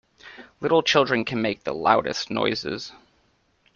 Little children can make the loudest noises.